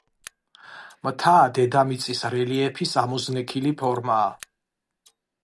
მთა დედამიწის რელიეფის ამოზნექილი ფორმაა